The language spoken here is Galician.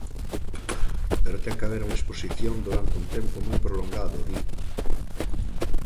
Pero ten que haber unha exposición durante un tempo moi prolongado, di.